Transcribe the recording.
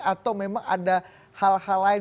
atau memang ada hal hal lain